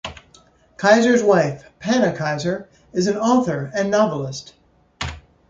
Kaiser's wife, Panna Kaiser, is an author and novelist.